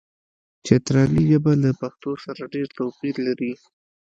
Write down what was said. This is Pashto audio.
چترالي ژبه له پښتو سره ډېر توپیر لري.